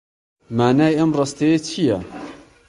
مانای ئەم ڕستەیە چییە؟